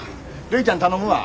るいちゃん頼むわ。